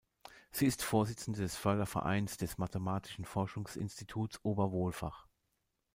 Sie ist Vorsitzende des Fördervereins des Mathematischen Forschungsinstituts Oberwolfach.